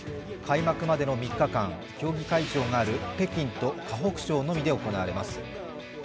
開幕までの３日間、競技会場がある北京と河北省のみで行われます。